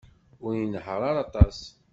Ur inehheṛ ara aṭas.